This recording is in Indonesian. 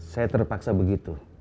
saya terpaksa begitu